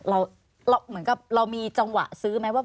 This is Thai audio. เรามีจังหวะซื้อไหมว่า